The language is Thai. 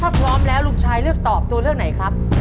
ถ้าพร้อมแล้วลูกชายเลือกตอบตัวเลือกไหนครับ